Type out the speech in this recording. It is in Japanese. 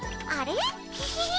あれ？